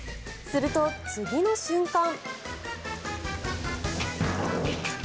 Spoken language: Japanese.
すると、次の瞬間。